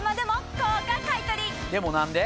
でも何で？